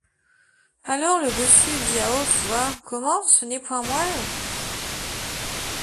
Alors le bossu dit à haulte voix :— Comment ! ce n’est point moy !